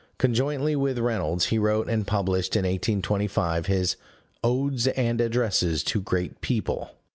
Conjointly with Reynolds, he wrote, and published in 1825, his Odes and Addresses to Great People.